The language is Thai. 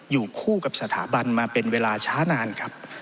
อยู่คู่กับสถาบันมาเป็นเวลาช้านานครับ